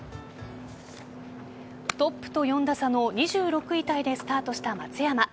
トップと４打差の２６位タイでスタートした松山。